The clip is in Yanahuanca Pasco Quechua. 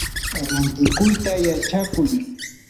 rantikuyta yachakuy.